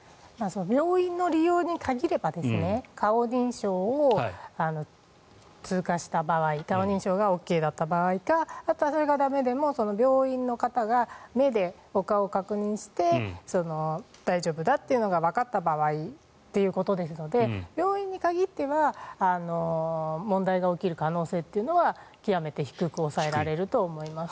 病院の利用に限れば顔認証を通過した場合顔認証がＯＫだった場合かあとはそれが駄目でも病院の方が目で顔を確認して大丈夫だというのがわかった場合ということですので病院に限っては問題が起きる可能性は極めて低く抑えられると思います。